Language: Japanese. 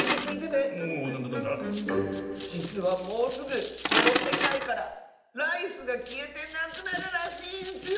じつはもうすぐこのせかいからライスがきえてなくなるらしいんッスよ！